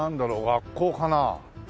学校かな？